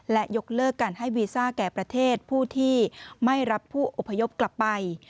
และยกเลิกการให้วีซ่าแก่ประเทศผู้ที่ไม่รับผู้อพยพกลับไป